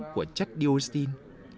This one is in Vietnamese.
của chất dioxin